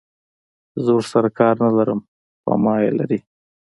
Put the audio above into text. زه ورسره کار نه لرم پر ما یې لري.